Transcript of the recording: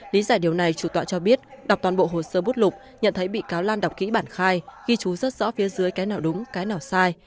lý giải điều này chủ tọa cho biết đọc toàn bộ hồ sơ bút lục nhận thấy bị cáo lan đọc kỹ bản khai ghi chú rất rõ phía dưới cái nào đúng cái nào sai